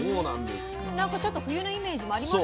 なんかちょっと冬のイメージもありますけどね。